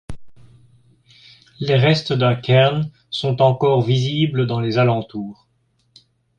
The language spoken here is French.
Les restes d'un cairn sont encore visibles dans les alentours.